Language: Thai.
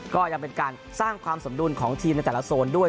ก็ยังเป็นการสร้างความสมดุลของทีมในแต่ละโซนด้วย